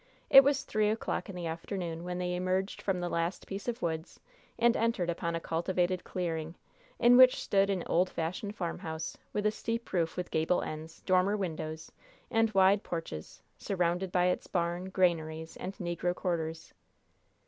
It was three o'clock in the afternoon when they emerged from the last piece of woods and entered upon a cultivated clearing, in which stood an old fashioned farmhouse, with a steep roof with gable ends, dormer windows, and wide porches, surrounded by its barn, granaries and negro quarters.